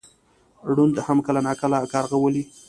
ړوند هم کله ناکله کارغه ولي .